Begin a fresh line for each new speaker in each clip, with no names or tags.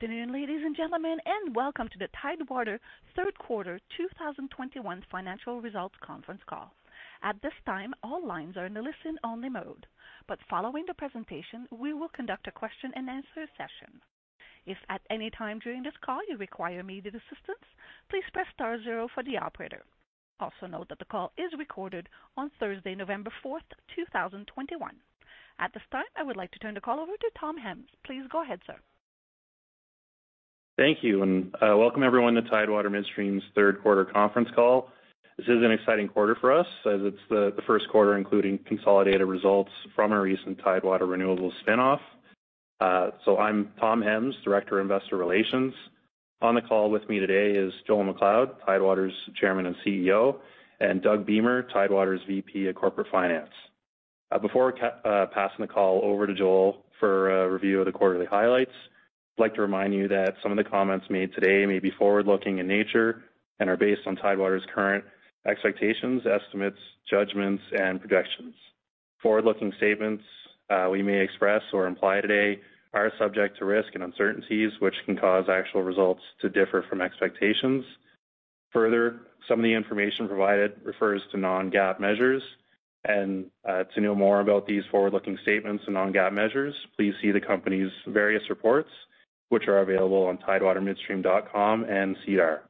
Good afternoon, ladies and gentlemen, and welcome to the Tidewater third quarter 2021 financial results conference call. At this time, all lines are in a listen-only mode, but following the presentation, we will conduct a question-and-answer session. If at any time during this call you require immediate assistance, please press star zero for the operator. Also note that the call is recorded on Thursday, November 4, 2021. At this time, I would like to turn the call over to Tom Hems. Please go ahead, sir.
Thank you, and welcome everyone to Tidewater Midstream's third quarter conference call. This is an exciting quarter for us as it's the first quarter including consolidated results from our recent Tidewater Renewables spinoff. I'm Tom Hems, Director of Investor Relations. On the call with me today is Joel MacLeod, Tidewater's Chairman and CEO, and Doug Beamer, Tidewater's VP of Corporate Finance. Before passing the call over to Joel for a review of the quarterly highlights, I'd like to remind you that some of the comments made today may be forward-looking in nature and are based on Tidewater's current expectations, estimates, judgments, and projections. Forward-looking statements we may express or imply today are subject to risk and uncertainties, which can cause actual results to differ from expectations. Further, some of the information provided refers to non-GAAP measures. To know more about these forward-looking statements and non-GAAP measures, please see the company's various reports which are available on tidewatermidstream.com and SEDAR.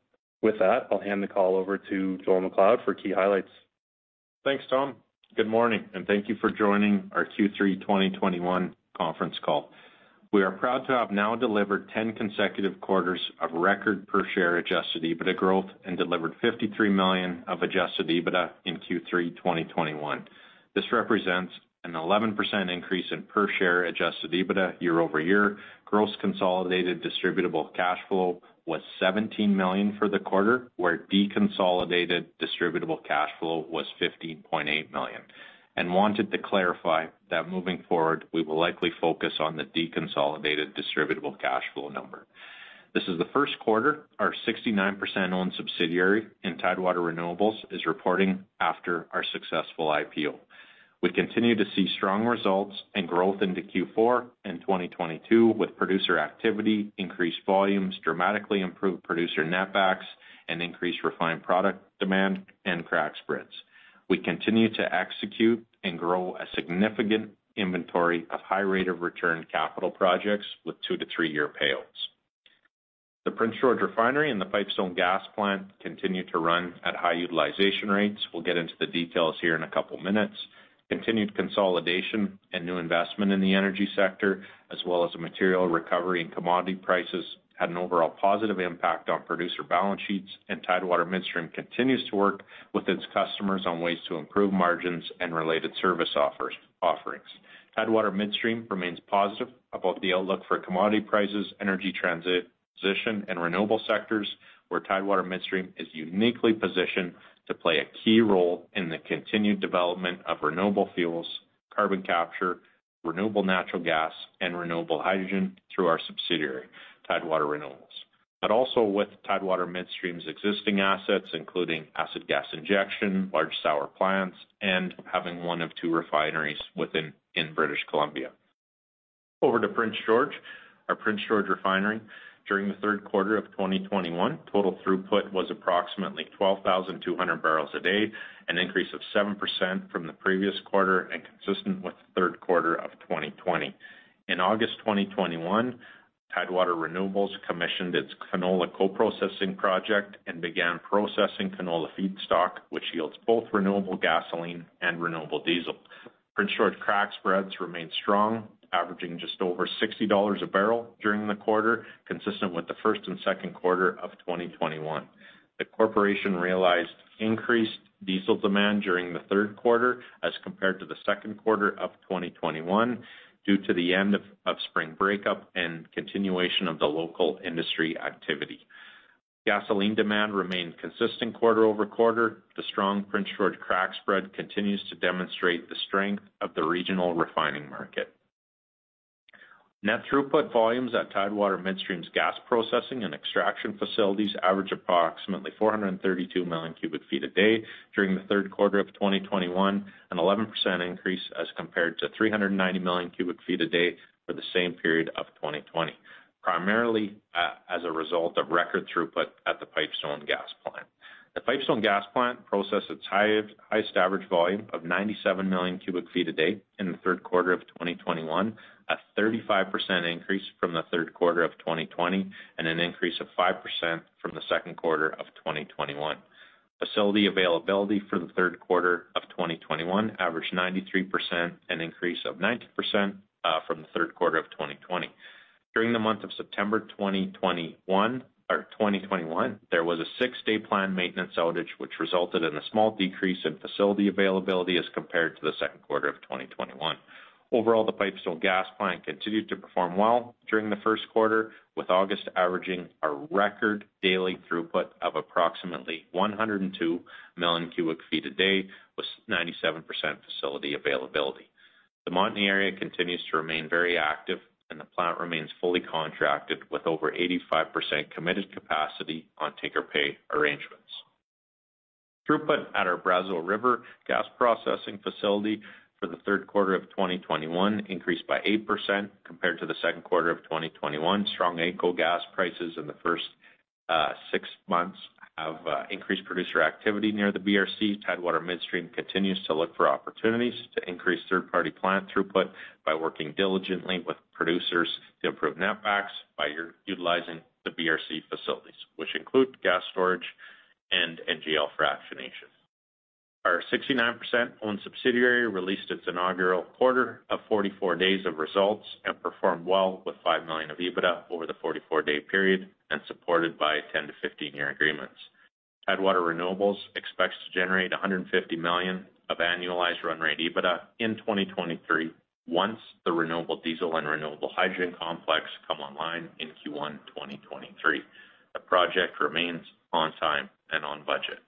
With that, I'll hand the call over to Joel MacLeod for key highlights.
Thanks, Tom. Good morning, and thank you for joining our Q3 2021 conference call. We are proud to have now delivered 10 consecutive quarters of record per share adjusted EBITDA growth and delivered 53 million of adjusted EBITDA in Q3 2021. This represents an 11% increase in per share adjusted EBITDA year-over-year. Gross consolidated distributable cash flow was 17 million for the quarter, whereas deconsolidated distributable cash flow was 15.8 million. Wanted to clarify that moving forward, we will likely focus on the deconsolidated distributable cash flow number. This is the first quarter our 69% owned subsidiary in Tidewater Renewables is reporting after our successful IPO. We continue to see strong results and growth into Q4 2022 with producer activity, increased volumes, dramatically improved producer net backs, and increased refined product demand and crack spreads. We continue to execute and grow a significant inventory of high rate of return capital projects with 2-3-year payouts. The Prince George Refinery and the Pipestone Gas Plant continue to run at high utilization rates. We'll get into the details here in a couple minutes. Continued consolidation and new investment in the energy sector, as well as a material recovery in commodity prices, had an overall positive impact on producer balance sheets, and Tidewater Midstream continues to work with its customers on ways to improve margins and related service offerings. Tidewater Midstream remains positive about the outlook for commodity prices, energy transition, and renewable sectors, where Tidewater Midstream is uniquely positioned to play a key role in the continued development of renewable fuels, carbon capture, renewable natural gas, and renewable hydrogen through our subsidiary, Tidewater Renewables. Also with Tidewater Midstream's existing assets, including acid gas injection, large sour plants, and having one of two refineries in British Columbia, over to Prince George, our Prince George Refinery. During the third quarter of 2021, total throughput was approximately 12,200 barrels a day, an increase of 7% from the previous quarter and consistent with the third quarter of 2020. In August 2021, Tidewater Renewables commissioned its canola co-processing project and began processing canola feedstock, which yields both renewable gasoline and renewable diesel. Prince George crack spreads remained strong, averaging just over 60 dollars a barrel during the quarter, consistent with the first and second quarter of 2021. The corporation realized increased diesel demand during the third quarter as compared to the second quarter of 2021 due to the end of of spring breakup and continuation of the local industry activity. Gasoline demand remained consistent quarter over quarter. The strong Prince George crack spread continues to demonstrate the strength of the regional refining market. Net throughput volumes at Tidewater Midstream's gas processing and extraction facilities averaged approximately 432 million cu ft a day during the third quarter of 2021, an 11% increase as compared to 390 million cu ft a day for the same period of 2020, primarily as a result of record throughput at the Pipestone Gas Plant. The Pipestone Gas Plant processed its highest average volume of 97 million cu ft a day in the third quarter of 2021, a 35% increase from the third quarter of 2020 and an increase of 5% from the second quarter of 2021. Facility availability for the third quarter of 2021 averaged 93%, an increase of 90% from the third quarter of 2020. During the month of September 2021, there was a 6-day plant maintenance outage, which resulted in a small decrease in facility availability as compared to the second quarter of 2021. Overall, the Pipestone Gas Plant continued to perform well during the first quarter, with August averaging a record daily throughput of approximately 102 million cu ft a day, with 97% facility availability. The Montney area continues to remain very active, and the plant remains fully contracted with over 85% committed capacity on take-or-pay arrangements. Throughput at our Brazeau River gas processing facility for the third quarter of 2021 increased by 8% compared to the second quarter of 2021. Strong AECO gas prices in the first six months have increased producer activity near the BRC. Tidewater Midstream continues to look for opportunities to increase third-party plant throughput by working diligently with producers to improve netbacks by utilizing the BRC facilities, which include gas storage and NGL fractionation. Our 69%-owned subsidiary released its inaugural quarter of 44 days of results and performed well with 5 million of EBITDA over the 44-day period and supported by 10- to 15-year agreements. Tidewater Renewables expects to generate 150 million of annualized run rate EBITDA in 2023, once the renewable diesel and renewable hydrogen complex come online in Q1 2023. The project remains on time and on budget.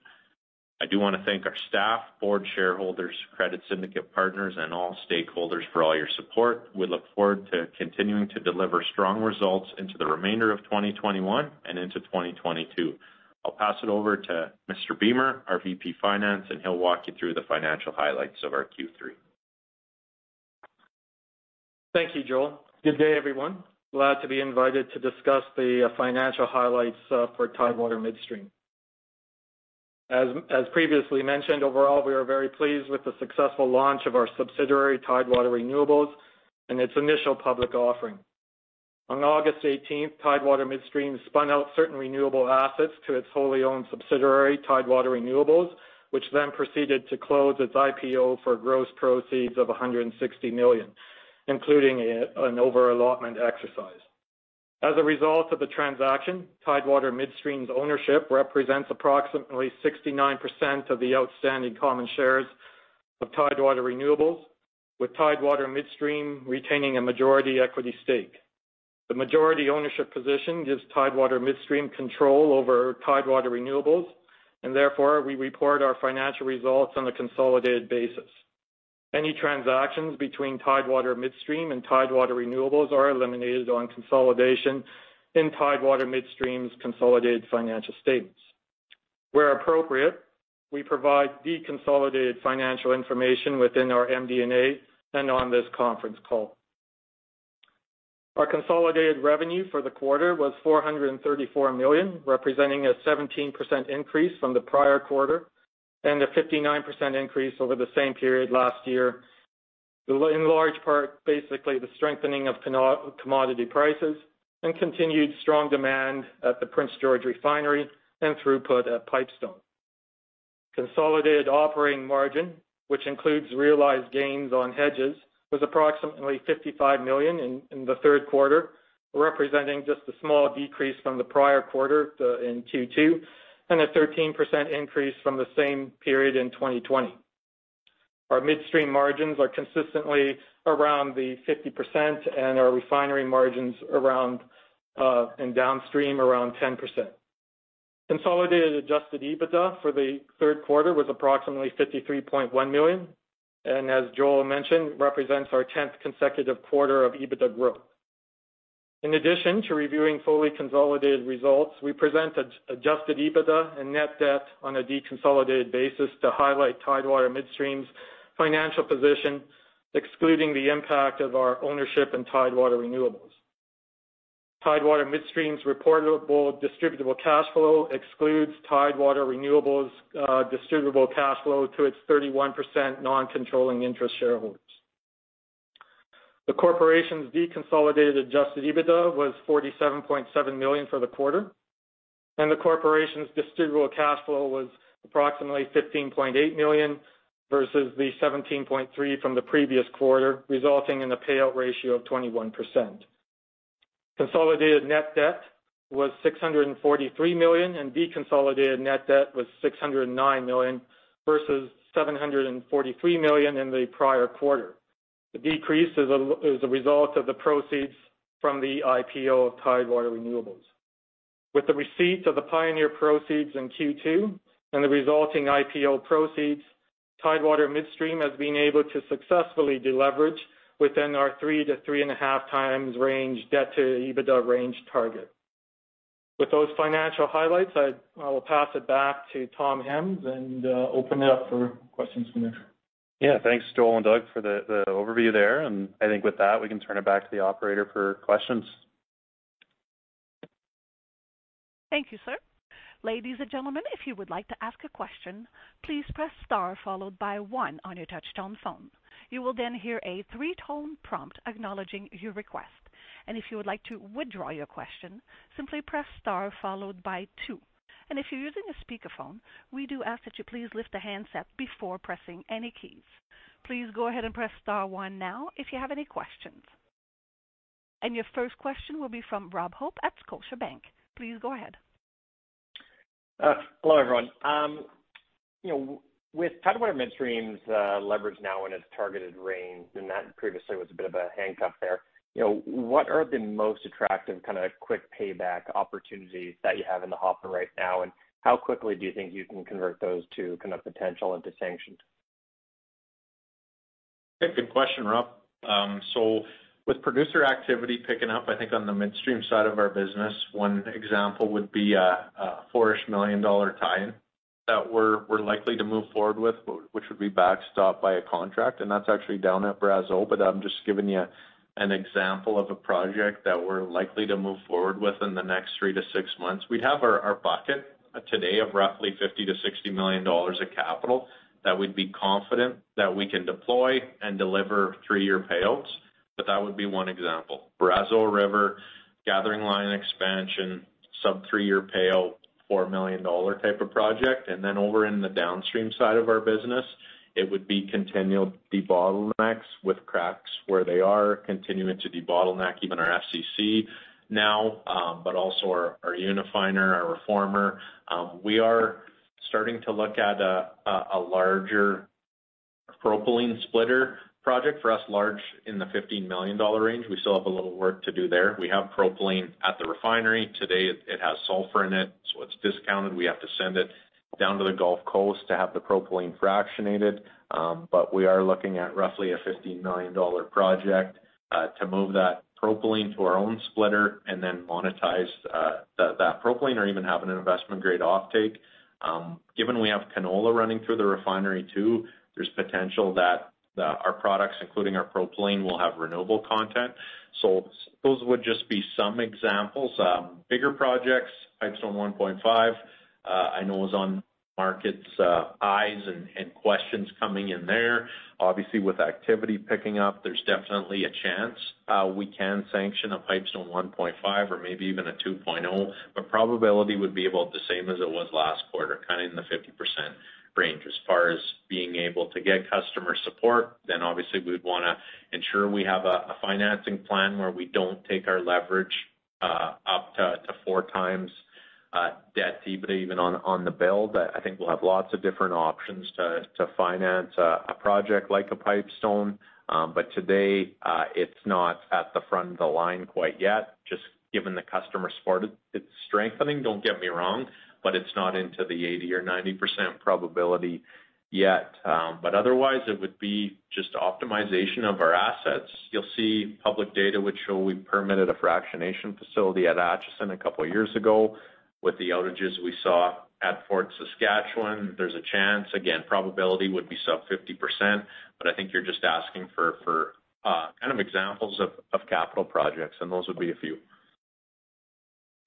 I do wanna thank our staff, board, shareholders, credit syndicate partners and all stakeholders for all your support. We look forward to continuing to deliver strong results into the remainder of 2021 and into 2022. I'll pass it over to Mr. Beamer, our VP Finance, and he'll walk you through the financial highlights of our Q3.
Thank you, Joel. Good day, everyone. Glad to be invited to discuss the financial highlights for Tidewater Midstream. As previously mentioned, overall, we are very pleased with the successful launch of our subsidiary, Tidewater Renewables, and its initial public offering. On August eighteenth, Tidewater Midstream spun out certain renewable assets to its wholly owned subsidiary, Tidewater Renewables, which then proceeded to close its IPO for gross proceeds of 160 million, including an over-allotment exercise. As a result of the transaction, Tidewater Midstream's ownership represents approximately 69% of the outstanding common shares of Tidewater Renewables, with Tidewater Midstream retaining a majority equity stake. The majority ownership position gives Tidewater Midstream control over Tidewater Renewables, and therefore we report our financial results on a consolidated basis. Any transactions between Tidewater Midstream and Tidewater Renewables are eliminated on consolidation in Tidewater Midstream's consolidated financial statements. Where appropriate, we provide deconsolidated financial information within our MD&A and on this conference call. Our consolidated revenue for the quarter was 434 million, representing a 17% increase from the prior quarter and a 59% increase over the same period last year, in large part, basically the strengthening of commodity prices and continued strong demand at the Prince George Refinery and throughput at Pipestone. Consolidated operating margin, which includes realized gains on hedges, was approximately 55 million in the third quarter, representing just a small decrease from the prior quarter in Q2, and a 13% increase from the same period in 2020. Our midstream margins are consistently around 50% and our refinery margins in downstream around 10%. Consolidated adjusted EBITDA for the third quarter was approximately 53.1 million and as Joel mentioned, represents our 10th consecutive quarter of EBITDA growth. In addition to reviewing fully consolidated results, we present adjusted EBITDA and net debt on a deconsolidated basis to highlight Tidewater Midstream's financial position, excluding the impact of our ownership in Tidewater Renewables. Tidewater Midstream's reportable distributable cash flow excludes Tidewater Renewables, distributable cash flow to its 31% non-controlling interest shareholders. The corporation's deconsolidated adjusted EBITDA was 47.7 million for the quarter, and the corporation's distributable cash flow was approximately 15.8 million versus the 17.3 from the previous quarter, resulting in a payout ratio of 21%. Consolidated net debt was 643 million, and deconsolidated net debt was 609 million versus 743 million in the prior quarter. The decrease is a result of the proceeds from the IPO of Tidewater Renewables. With the receipt of the Pioneer proceeds in Q2 and the resulting IPO proceeds, Tidewater Midstream has been able to successfully deleverage within our 3-3.5x debt-to-EBITDA range target. With those financial highlights, I will pass it back to Tom Hems and open it up for questions from there.
Yeah. Thanks, Joel and Doug, for the overview there. I think with that, we can turn it back to the operator for questions.
Thank you, sir. Ladies and gentlemen, if you would like to ask a question, please press star followed by one on your touchtone phone. You will then hear a three-tone prompt acknowledging your request. If you would like to withdraw your question, simply press star followed by two. If you're using a speakerphone, we do ask that you please lift the handset before pressing any keys. Please go ahead and press star one now if you have any questions. Your first question will be from Rob Hope at Scotiabank. Please go ahead.
Hello, everyone. You know, with Tidewater Midstream's leverage now in its targeted range, and that previously was a bit of a handcuff there, you know, what are the most attractive kind of quick payback opportunities that you have in the hopper right now? How quickly do you think you can convert those to kind of potential into sanctions?
Hey, good question, Rob. With producer activity picking up, I think on the midstream side of our business, one example would be a 4-ish million dollar tie-in that we're likely to move forward with, but which would be backstop by a contract. That's actually down at Brazeau, but I'm just giving you an example of a project that we're likely to move forward with in the next three to six months. We have our bucket today of roughly 50 million-60 million dollars of capital that we'd be confident that we can deploy and deliver 3-year payouts. That would be one example, Brazeau River gathering line expansion, sub 3-year payout, 4 million dollar type of project. Over in the downstream side of our business, it would be continual debottlenecks with cracks where they are continuing to debottleneck even our FCC now, but also our unifiner, our reformer. We are starting to look at a larger propylene splitter project for us, large in the 15 million dollar range. We still have a little work to do there. We have propylene at the refinery. Today it has sulfur in it, so it's discounted. We have to send it down to the Gulf Coast to have the propylene fractionated. We are looking at roughly a 15 million dollar project to move that propylene to our own splitter and then monetize that propylene or even have an investment-grade offtake. Given we have canola running through the refinery too, there's potential that our products, including our propylene, will have renewable content. Those would just be some examples. Bigger projects, Pipestone 1.5, I know is on market's eyes and questions coming in there. Obviously, with activity picking up, there's definitely a chance we can sanction a Pipestone 1.5 or maybe even a 2.0, but probability would be about the same as it was last quarter, kind of in the 50% range as far as being able to get customer support. Obviously we'd wanna ensure we have a financing plan where we don't take our leverage up to 4x debt to EBITDA even on the build. I think we'll have lots of different options to finance a project like a Pipestone. Today, it's not at the front of the line quite yet, just given the customer support. It's strengthening, don't get me wrong, but it's not into the 80% or 90% probability yet. Otherwise it would be just optimization of our assets. You'll see public data which show we permitted a fractionation facility at Acheson a couple years ago with the outages we saw at Fort Saskatchewan. There's a chance, again, probability would be sub 50%, but I think you're just asking for kind of examples of capital projects, and those would be a few.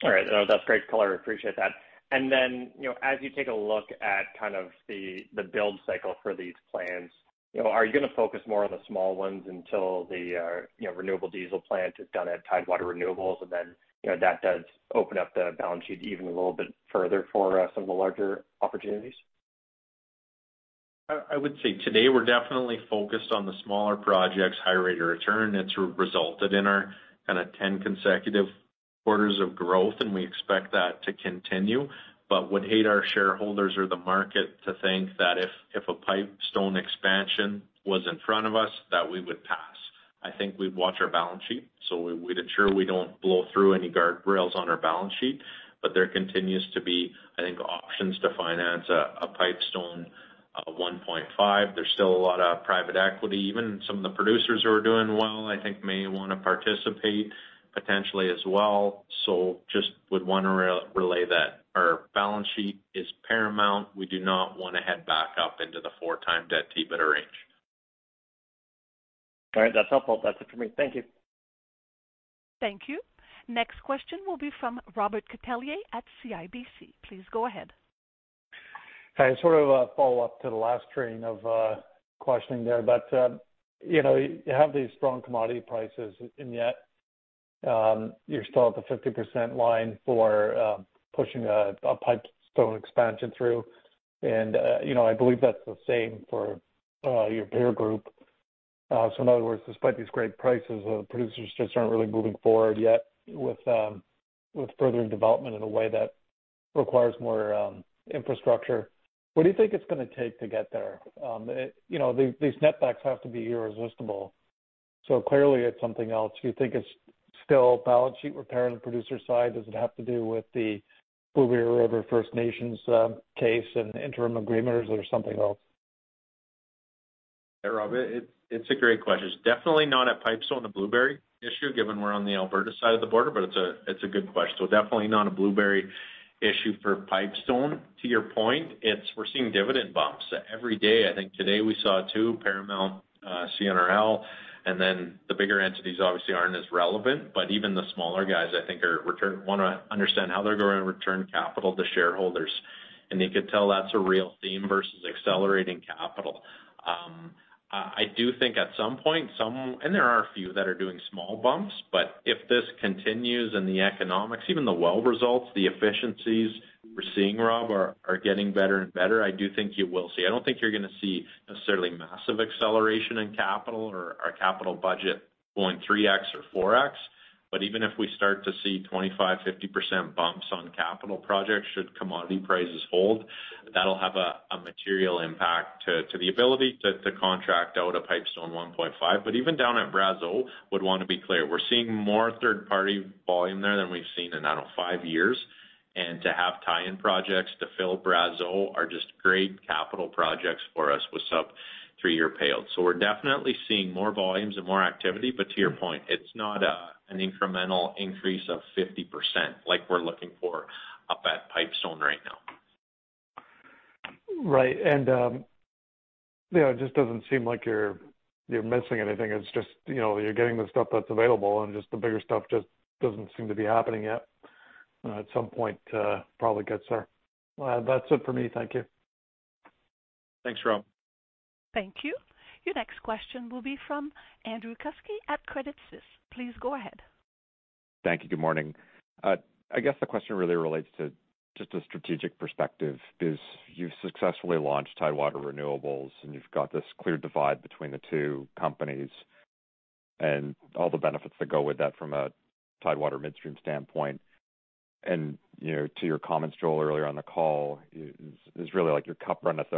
All right. No, that's great color. Appreciate that. Then, you know, as you take a look at kind of the build cycle for these plans, you know, are you gonna focus more on the small ones until the you know, renewable diesel plant is done at Tidewater Renewables? Then, you know, that does open up the balance sheet even a little bit further for some of the larger opportunities.
I would say today we're definitely focused on the smaller projects, higher rate of return. It's resulted in our kinda 10 consecutive quarters of growth, and we expect that to continue. Would hate our shareholders or the market to think that if a Pipestone expansion was in front of us, that we would pass. I think we'd watch our balance sheet, we'd ensure we don't blow through any guardrails on our balance sheet. There continues to be, I think, options to finance a Pipestone 1.5. There's still a lot of private equity. Even some of the producers who are doing well, I think, may wanna participate potentially as well. Just would wanna relay that our balance sheet is paramount. We do not wanna head back up into the 4x debt-to-EBITDA range.
All right. That's helpful. That's it for me. Thank you.
Thank you. Next question will be from Robert Catellier at CIBC. Please go ahead.
Hey, sort of a follow-up to the last string of questioning there. But you know, you have these strong commodity prices, and yet you're still at the 50% line for pushing a Pipestone expansion through. And you know, I believe that's the same for your peer group. So in other words, despite these great prices, the producers just aren't really moving forward yet with further development in a way that requires more infrastructure. What do you think it's gonna take to get there? You know, these netbacks have to be irresistible, so clearly it's something else. Do you think it's still balance sheet repair on the producer side? Does it have to do with the Blueberry River First Nations case and interim agreements or something else?
Yeah, Rob, it's a great question. It's definitely not a Pipestone, a Blueberry issue given we're on the Alberta side of the border, but it's a good question. So definitely not a Blueberry issue for Pipestone. To your point, it's we're seeing dividend bumps every day. I think today we saw two, Paramount, CNRL, and then the bigger entities obviously aren't as relevant, but even the smaller guys I think are wanna understand how they're gonna return capital to shareholders. You could tell that's a real theme versus accelerating capital. I do think at some point, and there are a few that are doing small bumps, but if this continues and the economics, even the well results, the efficiencies we're seeing, Rob, are getting better and better, I do think you will see. I don't think you're gonna see necessarily massive acceleration in capital or our capital budget going 3x or 4x. Even if we start to see 25, 50% bumps on capital projects should commodity prices hold, that'll have a material impact to the ability to contract out a Pipestone 1.5. Even down at Brazeau would wanna be clear. We're seeing more third-party volume there than we've seen in, I don't know, 5 years. To have tie-in projects to fill Brazeau are just great capital projects for us with sub-3-year payout. We're definitely seeing more volumes and more activity. To your point, it's not an incremental increase of 50% like we're looking for up at Pipestone right now.
Right. You know, it just doesn't seem like you're missing anything. It's just, you know, you're getting the stuff that's available and just the bigger stuff just doesn't seem to be happening yet. At some point, probably gets there. Well, that's it for me. Thank you.
Thanks, Rob.
Thank you. Your next question will be from Andrew Kuske at Credit Suisse. Please go ahead.
Thank you. Good morning. I guess the question really relates to just a strategic perspective is you've successfully launched Tidewater Renewables, and you've got this clear divide between the two companies and all the benefits that go with that from a Tidewater Midstream standpoint. You know, to your comments, Joel, earlier on the call is really like your cup runneth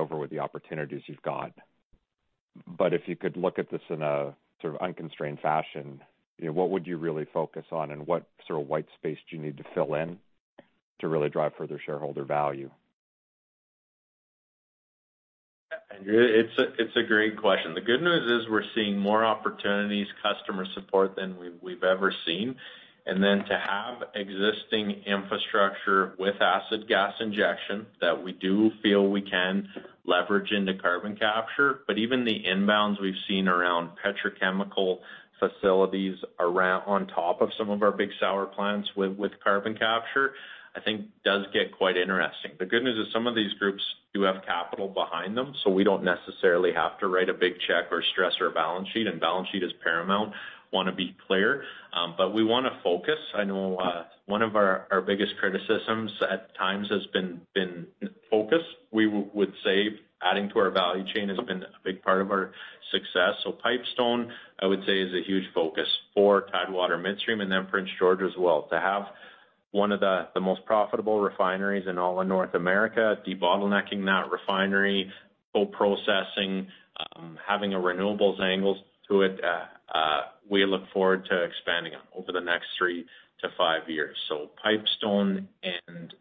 over with the opportunities you've got. If you could look at this in a sort of unconstrained fashion, you know, what would you really focus on? What sort of white space do you need to fill in to really drive further shareholder value?
Andrew, it's a great question. The good news is we're seeing more opportunities, customer support than we've ever seen. To have existing infrastructure with acid gas injection that we do feel we can leverage into carbon capture. Even the inbounds we've seen around petrochemical facilities around on top of some of our big sour plants with carbon capture, I think does get quite interesting. The good news is some of these groups do have capital behind them, so we don't necessarily have to write a big check or stress our balance sheet, and balance sheet is paramount. Wanna be clear, but we wanna focus. I know one of our biggest criticisms at times has been focus. We would say adding to our value chain has been a big part of our success. Pipestone, I would say, is a huge focus for Tidewater Midstream and then Prince George as well, to have one of the most profitable refineries in all of North America, debottlenecking that refinery, co-processing, having a renewables angle to it. We look forward to expanding on over the next 3-5 years. Pipestone and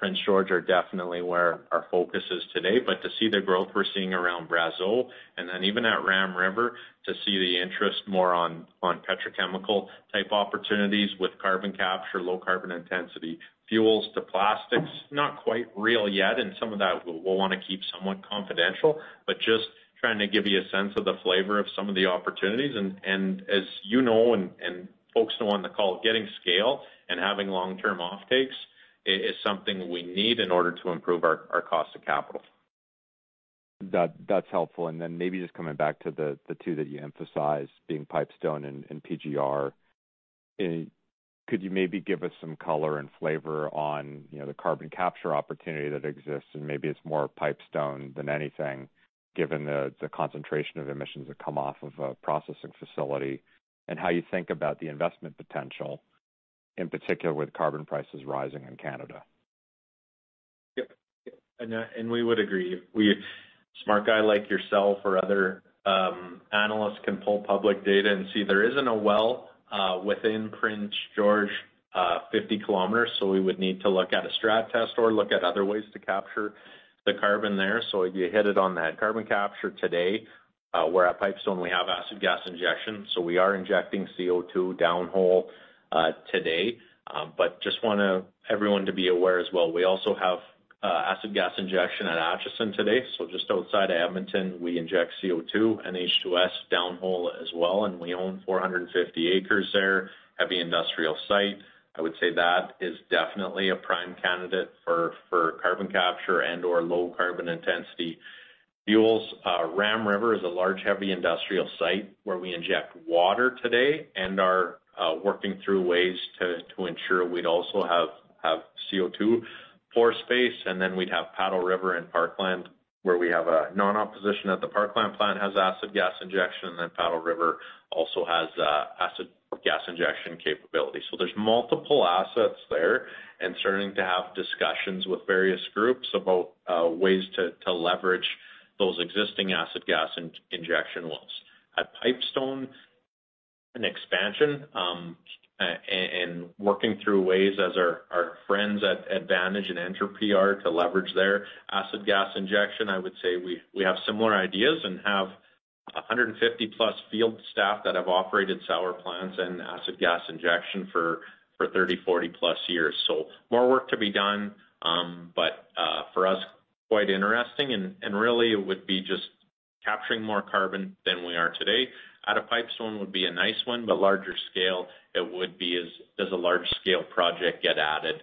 Prince George are definitely where our focus is today. To see the growth we're seeing around Brazeau and then even at Ram River, to see the interest more on petrochemical type opportunities with carbon capture, low carbon intensity fuels to plastics, not quite real yet, and some of that we'll wanna keep somewhat confidential, but just trying to give you a sense of the flavor of some of the opportunities. As you know, and folks know on the call, getting scale and having long-term offtakes is something we need in order to improve our cost of capital.
That's helpful. Maybe just coming back to the two that you emphasized being Pipestone and PGR. Could you maybe give us some color and flavor on, you know, the carbon capture opportunity that exists? Maybe it's more Pipestone than anything, given the concentration of emissions that come off of a processing facility, and how you think about the investment potential, in particular with carbon prices rising in Canada.
Yep. We would agree. Smart guy like yourself or other analysts can pull public data and see there isn't a well within 50 kilometers of Prince George, so we would need to look at a strat test or look at other ways to capture the carbon there. You hit it on the head. Carbon capture today, where at Pipestone we have acid gas injection, so we are injecting CO₂ downhole today. We just want everyone to be aware as well. We also have acid gas injection at Acheson today. Just outside Edmonton, we inject CO₂ and H₂S downhole as well, and we own 450 acres there. Heavy industrial site. I would say that is definitely a prime candidate for carbon capture and/or low carbon intensity fuels. Ram River is a large heavy industrial site where we inject water today and are working through ways to ensure we'd also have CO₂ pore space. We'd have Paddle River and Parkland, where we have a non-op position at the Parkland plant, has acid gas injection. Paddle River also has acid gas injection capability. There's multiple assets there and starting to have discussions with various groups about ways to leverage those existing acid gas injection wells. At Pipestone, an expansion, and working through ways as our friends at Advantage and Entropy are to leverage their acid gas injection. I would say we have similar ideas and have 150+ field staff that have operated sour plants and acid gas injection for 30, 40+ years. More work to be done. For us, quite interesting. Really it would be just capturing more carbon than we are today. Out of Pipestone would be a nice one, but larger scale it would be as a large scale project get added,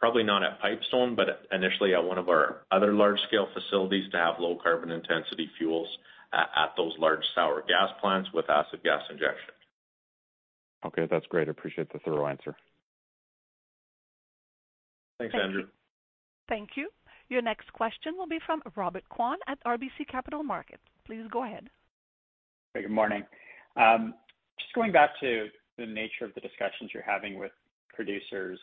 probably not at Pipestone, but initially at one of our other large scale facilities to have low carbon intensity fuels at those large sour gas plants with acid gas injection.
Okay, that's great. I appreciate the thorough answer.
Thanks, Andrew.
Thank you. Your next question will be from Robert Kwan at RBC Capital Markets. Please go ahead.
Good morning. Just going back to the nature of the discussions you're having with producers.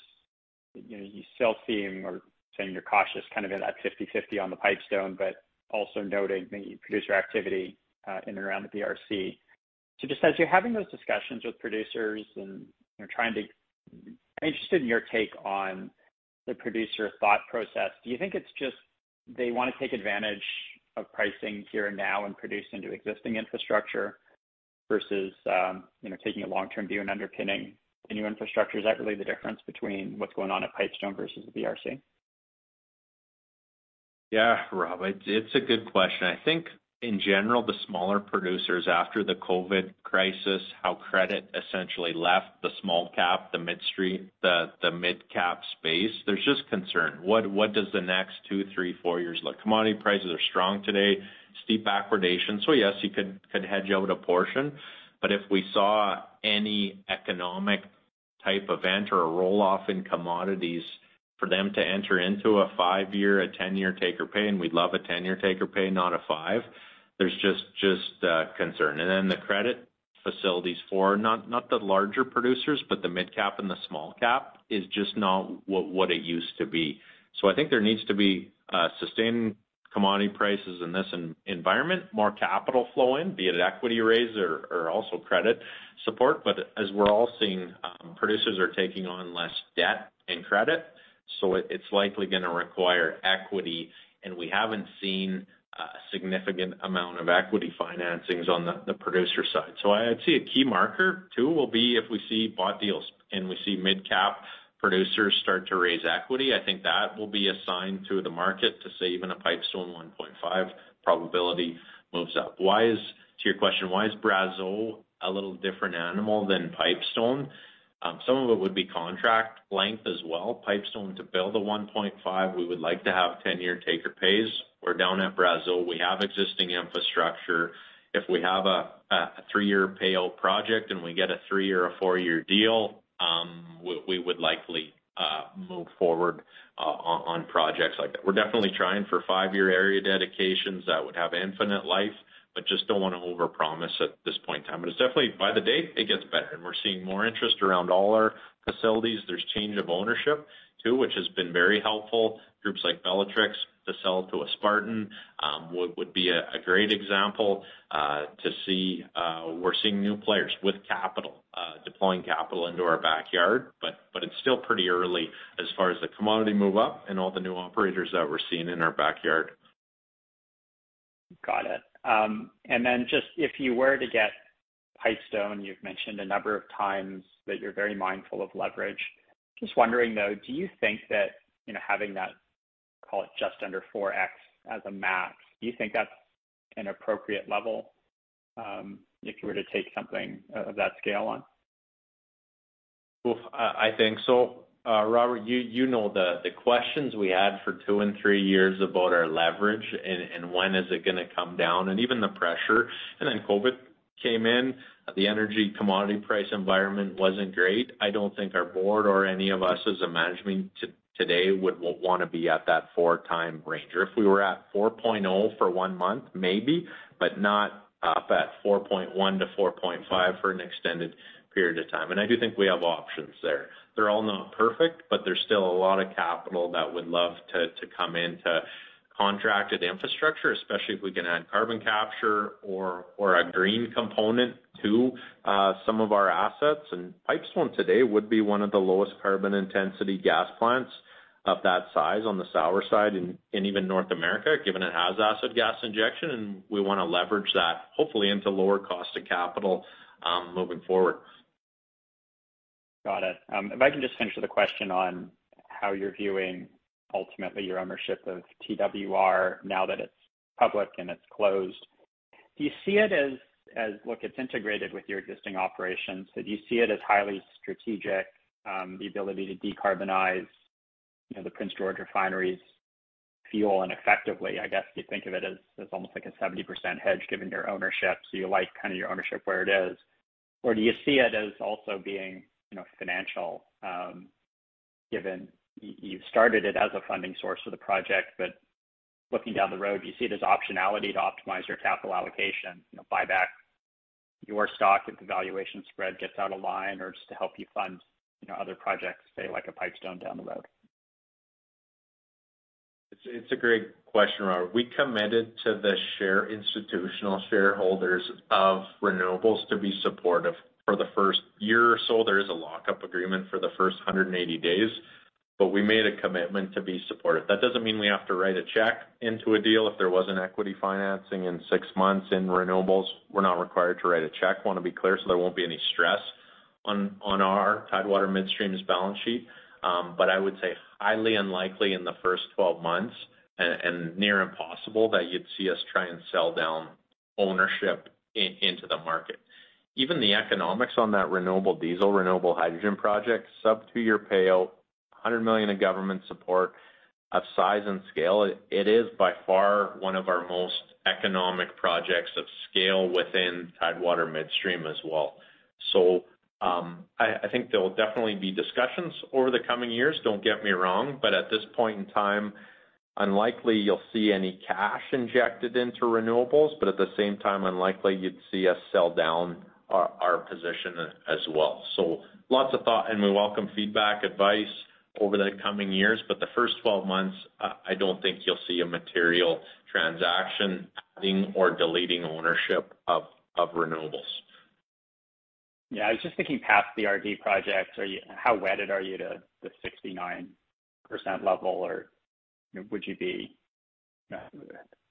You know, you still seem or saying you're cautious kind of in that 50/50 on the Pipestone, but also noting the producer activity in and around the BRC. Just as you're having those discussions with producers and, you know, I'm interested in your take on the producer thought process. Do you think it's just they wanna take advantage of pricing here and now and produce into existing infrastructure versus, you know, taking a long-term view and underpinning the new infrastructure? Is that really the difference between what's going on at Pipestone versus the BRC?
Yeah, Rob, it's a good question. I think in general, the smaller producers after the COVID crisis, how credit essentially left the small cap, the midcap space. There's just concern. What does the next two, three, four years look? Commodity prices are strong today, steep backwardation. So yes, you could hedge out a portion, but if we saw any economic type event or a roll-off in commodities for them to enter into a five-year, a 10-year take or pay, and we'd love a 10-year take or pay, not a five, there's just concern. Then the credit facilities for not the larger producers, but the midcap and the small cap is just not what it used to be. I think there needs to be sustained commodity prices in this environment, more capital flow in, be it an equity raise or also credit support. As we're all seeing, producers are taking on less debt and credit, so it's likely gonna require equity. We haven't seen a significant amount of equity financings on the producer side. I'd say a key marker too will be if we see bought deals and we see midcap producers start to raise equity. I think that will be a sign to the market to say even a Pipestone 1.5 probability moves up. To your question, why is Brazeau a little different animal than Pipestone? Some of it would be contract length as well. Pipestone to build a 1.5, we would like to have 10-year take or pays. We're down at Brazeau, we have existing infrastructure. If we have a 3-year payout project and we get a 3- or 4-year deal, we would likely move forward on projects like that. We're definitely trying for 5-year area dedications that would have infinite life, but just don't wanna overpromise at this point in time. It's definitely by the day it gets better, and we're seeing more interest around all our facilities. There's change of ownership too, which has been very helpful. Groups like Bellatrix to sell to a Spartan would be a great example to see. We're seeing new players with capital deploying capital into our backyard. It's still pretty early as far as the commodity move up and all the new operators that we're seeing in our backyard.
Got it. Then just if you were to get Pipestone, you've mentioned a number of times that you're very mindful of leverage. Just wondering, though, do you think that, you know, having that, call it just under 4x as a max, do you think that's an appropriate level, if you were to take something of that scale on?
I think so. Robert, you know the questions we had for two and three years about our leverage and when is it gonna come down and even the pressure. COVID came in, the energy commodity price environment wasn't great. I don't think our board or any of us as a management today would wanna be at that 4x range. If we were at 4.0 for one month, maybe, but not up at 4.1-4.5 for an extended period of time. I do think we have options there. They're all not perfect, but there's still a lot of capital that would love to come in to contract at infrastructure, especially if we can add carbon capture or a green component to some of our assets. Pipestone today would be one of the lowest carbon intensity gas plants of that size on the sour side in even North America, given it has acid gas injection, and we wanna leverage that hopefully into lower cost of capital, moving forward.
Got it. If I can just finish with a question on how you're viewing ultimately your ownership of TWR now that it's public and it's closed. Do you see it as, look, it's integrated with your existing operations, so do you see it as highly strategic, the ability to decarbonize, you know, the Prince George refinery's fuel and effectively, I guess, you think of it as almost like a 70% hedge given your ownership, so you like kinda your ownership where it is? Do you see it as also being, you know, financial, given you've started it as a funding source for the project, but looking down the road, do you see it as optionality to optimize your capital allocation, you know, buy back your stock if the valuation spread gets out of line or just to help you fund, you know, other projects, say like a Pipestone down the road?
It's a great question, Robert. We committed to the institutional shareholders of renewables to be supportive for the first year or so. There is a lockup agreement for the first 180 days, but we made a commitment to be supportive. That doesn't mean we have to write a check into a deal. If there was an equity financing in 6 months in renewables, we're not required to write a check. Wanna be clear, so there won't be any stress on our Tidewater Midstream's balance sheet. I would say highly unlikely in the first 12 months and near impossible that you'd see us try and sell down ownership into the market. Even the economics on that renewable diesel, renewable hydrogen project, sub-2-year payout, 100 million in government support of size and scale, it is by far one of our most economic projects of scale within Tidewater Midstream as well. I think there will definitely be discussions over the coming years, don't get me wrong. At this point in time, unlikely you'll see any cash injected into renewables, but at the same time, unlikely you'd see us sell down our position as well. Lots of thought and we welcome feedback, advice. Over the coming years, but the first 12 months, I don't think you'll see a material transaction adding or deleting ownership of renewables.
Yeah, I was just thinking past the R&D projects. How wedded are you to the 69% level or would you be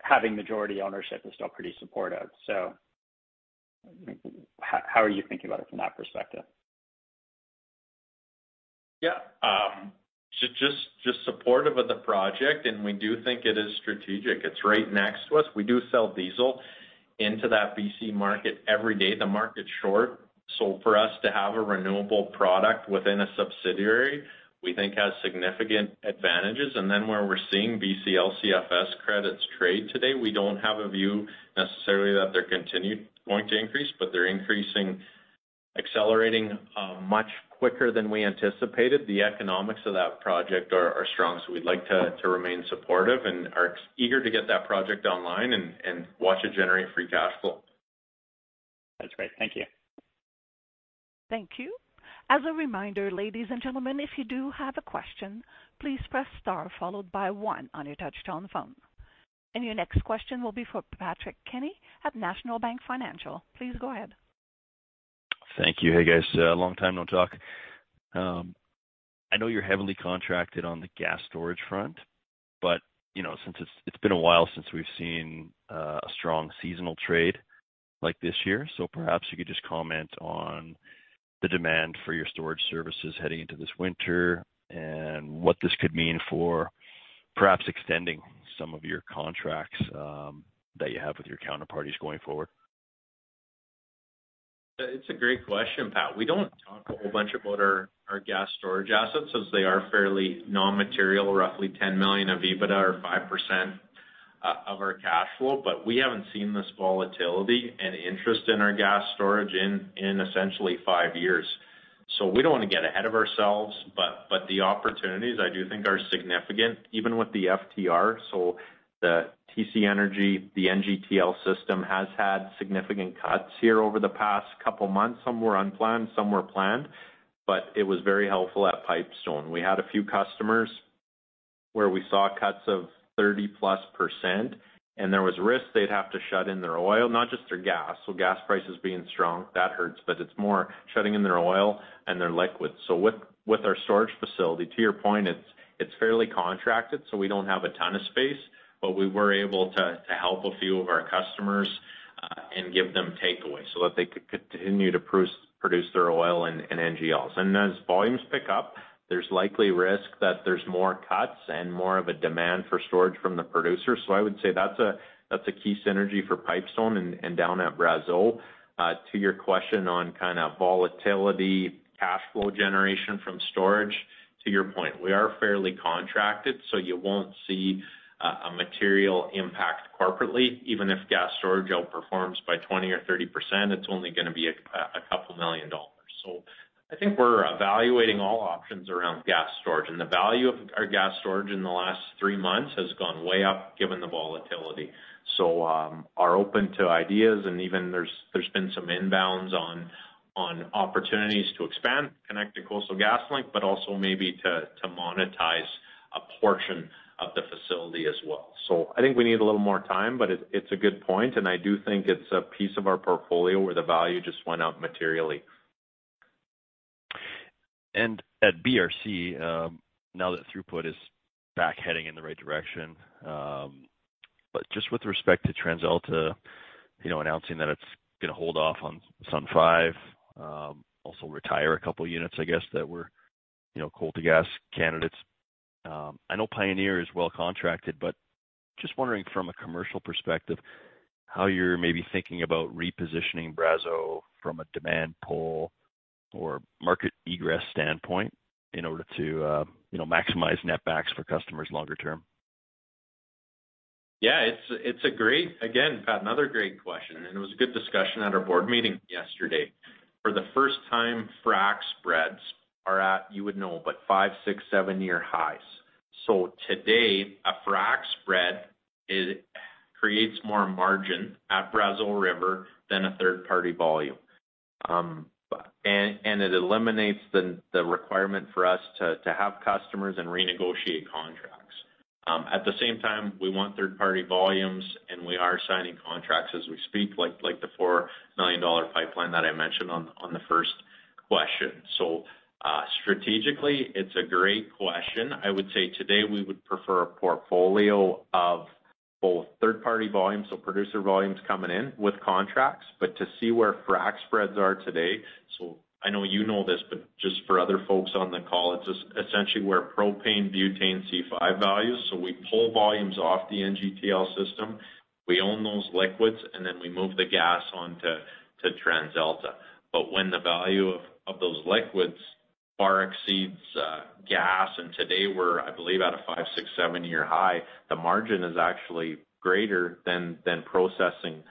having majority ownership is still pretty supportive. How are you thinking about it from that perspective?
Yeah. Just supportive of the project, and we do think it is strategic. It's right next to us. We do sell diesel into that BC market every day. The market's short. For us to have a renewable product within a subsidiary, we think has significant advantages. Then where we're seeing BC LCFS credits trade today, we don't have a view necessarily that they're continued going to increase, but they're increasing, accelerating, much quicker than we anticipated. The economics of that project are strong, so we'd like to remain supportive and are eager to get that project online and watch it generate free cash flow.
That's great. Thank you.
Thank you. As a reminder, ladies and gentlemen, if you do have a question, please press star followed by one on your touchtone phone. Your next question will be for Patrick Kenny at National Bank Financial. Please go ahead.
Thank you. Hey, guys. Long time no talk. I know you're heavily contracted on the gas storage front, but you know, since it's been a while since we've seen a strong seasonal trade like this year. Perhaps you could just comment on the demand for your storage services heading into this winter and what this could mean for perhaps extending some of your contracts that you have with your counterparties going forward.
It's a great question, Pat. We don't talk a whole bunch about our gas storage assets as they are fairly non-material, roughly 10 million of EBITDA or 5% of our cash flow. We haven't seen this volatility and interest in our gas storage in essentially 5 years. We don't wanna get ahead of ourselves, but the opportunities I do think are significant even with the FT-R. The TC Energy, the NGTL system has had significant cuts here over the past couple of months. Some were unplanned, some were planned, but it was very helpful at Pipestone. We had a few customers where we saw cuts of 30-plus%, and there was risk they'd have to shut in their oil, not just their gas. Gas prices being strong, that hurts, but it's more shutting in their oil and their liquids. With our storage facility, to your point, it's fairly contracted, so we don't have a ton of space, but we were able to help a few of our customers and give them takeaway so that they could continue to produce their oil and NGLs. As volumes pick up, there's likely risk that there's more cuts and more of a demand for storage from the producer. I would say that's a key synergy for Pipestone and down at Brazeau. To your question on volatility, cash flow generation from storage, to your point, we are fairly contracted, so you won't see a material impact corporately. Even if gas storage outperforms by 20% or 30%, it's only gonna be 2 million dollars. I think we're evaluating all options around gas storage, and the value of our gas storage in the last three months has gone way up, given the volatility. We're open to ideas, and even there's been some inbounds on opportunities to expand, connect to Coastal GasLink, but also maybe to monetize a portion of the facility as well. I think we need a little more time, but it's a good point, and I do think it's a piece of our portfolio where the value just went up materially.
At BRC, now that throughput is back heading in the right direction, but just with respect to TransAlta, you know, announcing that it's gonna hold off on Sundance 5, also retire a couple units, I guess that were, you know, coal-to-gas candidates. I know Pioneer is well contracted, but just wondering from a commercial perspective, how you're maybe thinking about repositioning Brazeau from a demand pull or market egress standpoint in order to, you know, maximize netbacks for customers longer term.
Yeah, it's a great question. Again, Pat, another great question, and it was a good discussion at our board meeting yesterday. For the first time, frac spreads are at, you would know, but 5-, 6-, 7-year highs. Today, a frac spread creates more margin at Brazeau River than a third-party volume. It eliminates the requirement for us to have customers and renegotiate contracts. At the same time, we want third-party volumes, and we are signing contracts as we speak, like the 4 million dollar pipeline that I mentioned on the first question. Strategically, it's a great question. I would say today we would prefer a portfolio of both third-party volumes, so producer volumes coming in with contracts, but to see where frac spreads are today. I know you know this, but just for other folks on the call, it's essentially where propane, butane, C5 values. We pull volumes off the NGTL system, we own those liquids, and then we move the gas on to TransAlta. But when the value of those liquids far exceeds gas, and today we're I believe at a 5-, 6-, 7-year high, the margin is actually greater than processing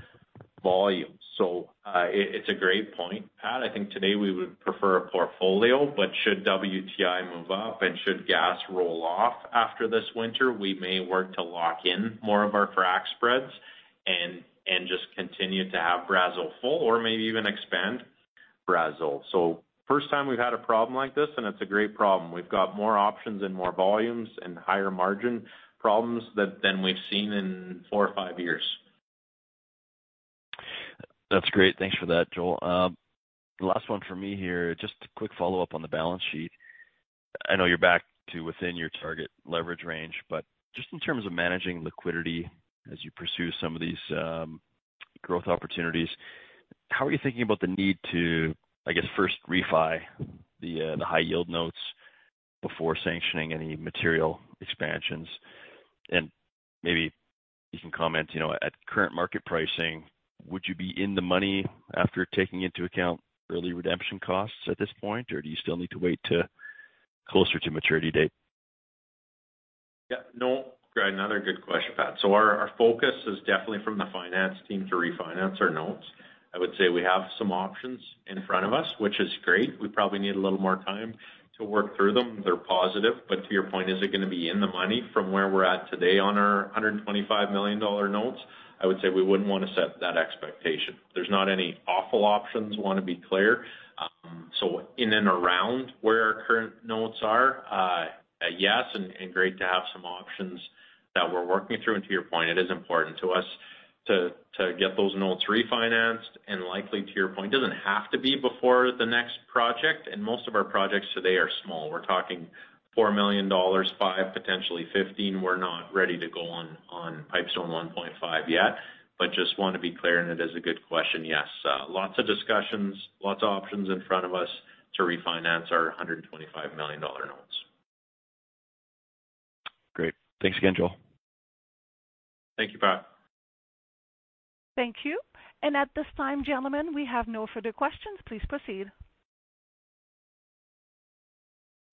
volume. It is a great point, Pat. I think today we would prefer a portfolio, but should WTI move up and should gas roll off after this winter, we may work to lock in more of our frack spreads and continue to have Brazeau full or maybe even expand Brazeau. First time we've had a problem like this, and it's a great problem. We've got more options and more volumes and higher margin problems than we've seen in four or five years.
That's great. Thanks for that, Joel. Last one for me here. Just a quick follow-up on the balance sheet. I know you're back to within your target leverage range, but just in terms of managing liquidity as you pursue some of these, growth opportunities, how are you thinking about the need to, I guess, first refi the the high yield notes before sanctioning any material expansions? And maybe you can comment, you know, at current market pricing, would you be in the money after taking into account early redemption costs at this point, or do you still need to wait to closer to maturity date?
Yeah, no. Great. Another good question, Pat. Our focus is definitely from the finance team to refinance our notes. I would say we have some options in front of us, which is great. We probably need a little more time to work through them. They're positive. To your point, is it gonna be in the money from where we're at today on our 125 million dollar notes? I would say we wouldn't wanna set that expectation. There's not any awful options. Wanna be clear. In and around where our current notes are, yes, great to have some options that we're working through. To your point, it is important to us to get those notes refinanced and likely, to your point, doesn't have to be before the next project. Most of our projects today are small. We're talking 4 million dollars, 5 million, potentially 15 million. We're not ready to go on Pipestone 1.5 yet, but just want to be clear, and it is a good question. Yes. Lots of discussions, lots of options in front of us to refinance our 125 million dollar notes.
Great. Thanks again, Joel.
Thank you, Pat.
Thank you. At this time, gentlemen, we have no further questions. Please proceed.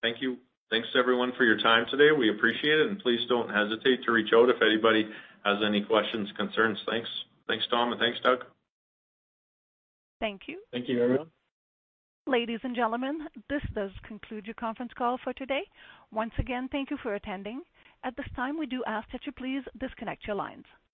Thank you. Thanks everyone for your time today. We appreciate it, and please don't hesitate to reach out if anybody has any questions, concerns. Thanks. Thanks, Tom. Thanks, Doug.
Thank you.
Thank you, everyone.
Ladies and gentlemen, this does conclude your conference call for today. Once again, thank you for attending. At this time, we do ask that you please disconnect your lines.